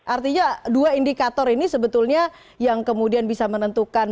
artinya dua indikator ini sebetulnya yang kemudian bisa menentukan